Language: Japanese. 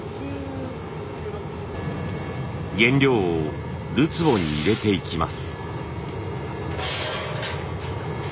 原料をるつぼに入れていきます。